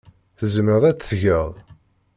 Tzemreḍ ad t-tgeḍ?